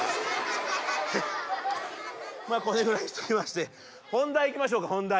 まあこれぐらいにしときまして本題いきましょうか本題。